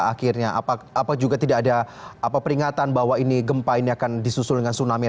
akhirnya apa juga tidak ada peringatan bahwa ini gempa ini akan disusul dengan tsunami